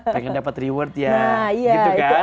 pengen dapat reward ya gitu kan